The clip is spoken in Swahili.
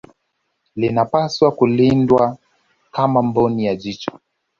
Linapaswa kulindwa kama mboni ya jicho